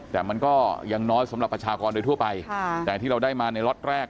แต่มันก็ยังน้อยสำหรับประชากรโดยทั่วไปแต่ที่เราได้มาในล็อตแรก